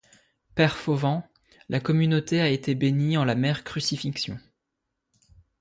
Père Fauvent, la communauté a été bénie en la mère Crucifixion.